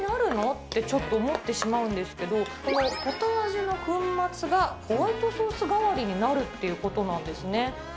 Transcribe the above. って、ちょっと思ってしまうんですけど、このポタージュの粉末が、ホワイトソース代わりになるっていうことなんですね。